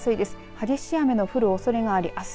激しい雨の降るおそれがありあす